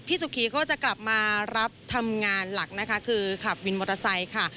พี่สุพรีเขาก็จะกลับมารับทำงานหลักคือขับวินมอเตอร์ไซค์ค่ะ